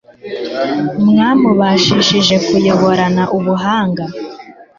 bwamubashishije kuyoborana ubuhanga